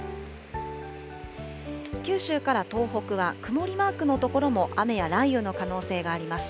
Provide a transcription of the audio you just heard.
九州から東北は、曇りマークの所も雨や雷雨の可能性があります。